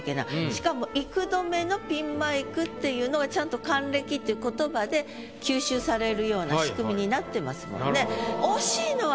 しかも「幾度目のピンマイク」っていうのがちゃんと「還暦」っていう言葉で吸収されるような仕組みになってますもんね。